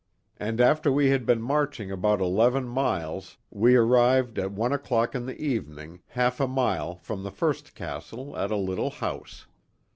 And after we had been marching about eleven miles we arrived at one o'clock in the evening, half a mile from the first Castle, at a little house.